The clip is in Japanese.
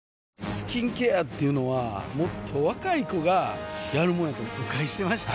スキンケアっていうのはもっと若い子がやるもんやと誤解してました